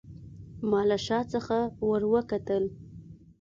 ما له شا څخه وروکتل.